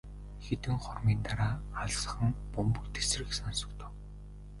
Хэдэн хормын дараа алсхан бөмбөг тэсрэх сонсогдов.